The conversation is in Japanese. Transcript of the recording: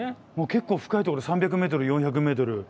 結構深いところで３００ｍ４００ｍ。